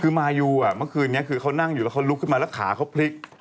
คือมายูเมื่อคืนนี้คือเขานั่งอยู่แล้วเขาลุกขึ้นมาแล้วขาเขาพลิก